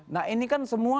nah ini kan semua